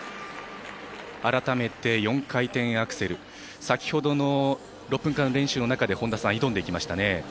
改めて４回転アクセル先ほどの６分間練習の中で挑んでいきましたね。